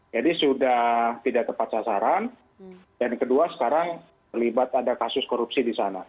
jadi sudah tidak tepat sasaran dan kedua sekarang terlibat ada kasus korupsi di sana